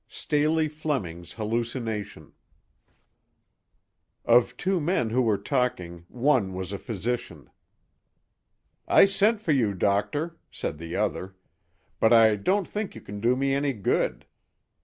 STALEY FLEMING'S HALLUCINATION OF two men who were talking one was a physician. "I sent for you, Doctor," said the other, "but I don't think you can do me any good.